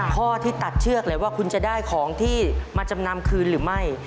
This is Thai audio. ข้อที่ตัดเชือกเลยว่าคุณจะได้ของที่มาจำนำคืนหรือไม่